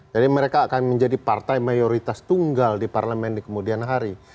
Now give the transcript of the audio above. jadi mereka akan menjadi partai mayoritas tunggal di parlamen di kemudian hari